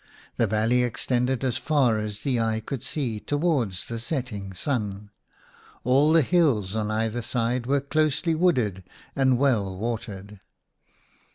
The valley extended as far as eye could see towards the setting sun ; all the hills on either side were closely wooded and well watered.